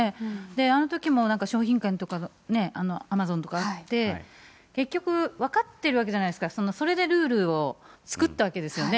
あのときも商品券とかアマゾンとかあって、結局分かってるわけじゃないですか、それでルールを作ったわけですよね。